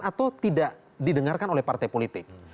atau tidak didengarkan oleh partai politik